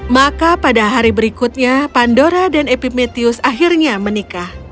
maka pada hari berikutnya pandora dan epimetheus akhirnya menikah